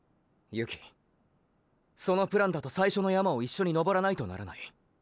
雪成そのプランだと最初の山を一緒に登らないとならない。